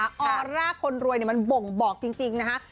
ออร่าคนรวยมันบ่งบอกจริงนะคะ